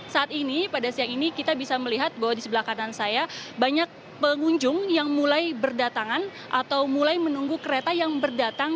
saat ini pada siang ini kita bisa melihat bahwa di sebelah kanan saya banyak pengunjung yang mulai berdatangan atau mulai menunggu kereta yang berdatang